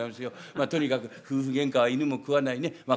まあとにかく『夫婦喧嘩は犬も食わない』ねっ。